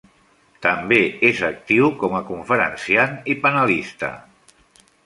També és actiu com a conferenciant i panelista.